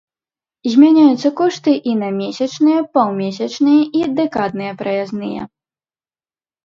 Змяняюцца кошты і на месячныя, паўмесячныя і дэкадныя праязныя.